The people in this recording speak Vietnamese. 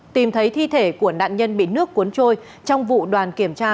tìm thấy thi thể của nạn nhân bị nước cuốn trôi trong vụ đoàn kiểm tra